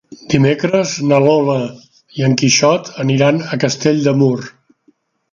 Dimecres na Lola i en Quixot aniran a Castell de Mur.